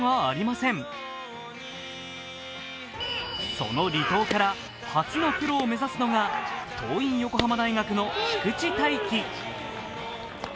その離島から初のプロを目指すのが桐蔭横浜高校の菊地大稀。